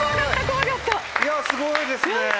いやすごいですね。